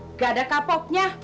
nggak ada kapoknya